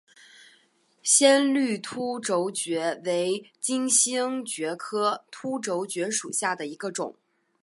鲜绿凸轴蕨为金星蕨科凸轴蕨属下的一个种。